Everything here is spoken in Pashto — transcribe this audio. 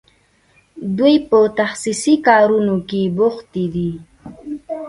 دوی په تخصصي کارونو کې بوختې دي.